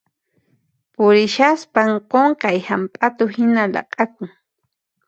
Purishaspan qunqay hamp'atu hina laq'akun.